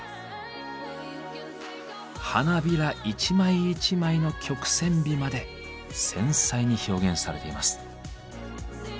花びら一枚一枚の曲線美まで繊細に表現されています。